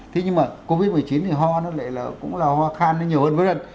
thế nhưng mà covid một mươi chín thì ho nó lại là cũng là ho khan nó nhiều hơn v lần